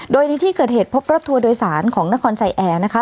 โดยในที่เกิดเหตุพบรถทัวร์โดยสารของนครชัยแอร์นะคะ